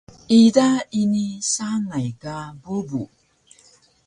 ida ini sangay ka bubu